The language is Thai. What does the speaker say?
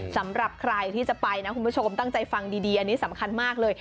สำหรับใครที่จะไปนะคุณผู้ชมตั้งใจฟังดีอันนี้สำคัญมากเลย